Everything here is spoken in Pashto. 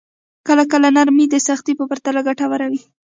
کله کله نرمي د سختۍ په پرتله ګټوره وي.